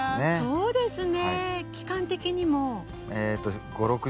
そうですか。